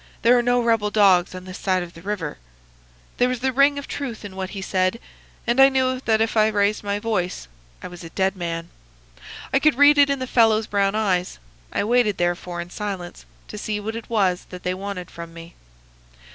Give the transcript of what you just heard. There are no rebel dogs on this side of the river.' There was the ring of truth in what he said, and I knew that if I raised my voice I was a dead man. I could read it in the fellow's brown eyes. I waited, therefore, in silence, to see what it was that they wanted from me.